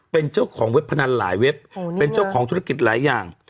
เป็นเจ้าของเว็บพนันหลายเว็บเป็นเจ้าของธุรกิจหลายอย่าง